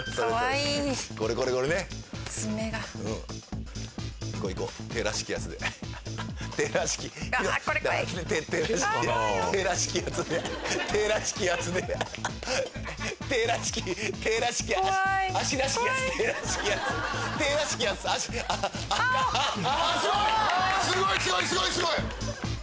すごいすごいすごいすごい！